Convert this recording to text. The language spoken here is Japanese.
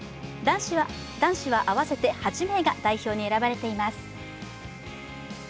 男子は合わせて８名が代表に選ばれています。